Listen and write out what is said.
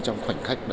trong khoảnh khắc